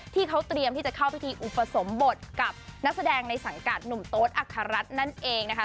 ที่เขาเตรียมที่จะเข้าพิธีอุปสมบทกับนักแสดงในสังกัดหนุ่มโต๊ดอัครรัฐนั่นเองนะคะ